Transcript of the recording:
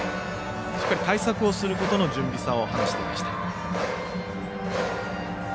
しっかり対策をすることの準備というのを話していました。